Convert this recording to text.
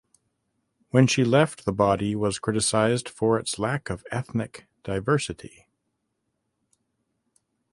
When she left the body was criticised for its lack of ethnic diversity.